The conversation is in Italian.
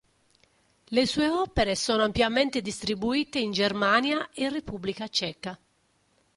Le sue opere sono ampiamente distribuite in Germania e Repubblica Ceca.